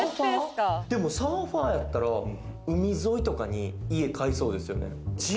サーファーやったら海沿いとかに家買いそうですよね。